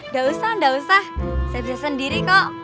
gak usah nggak usah saya bisa sendiri kok